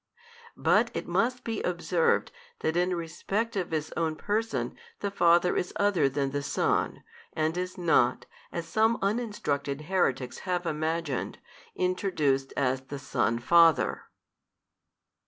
But it must be observed that in respect of His Own Person the Father is Other than the Son, and is not, as some uninstructed heretics have imagined, introduced as the Son Father.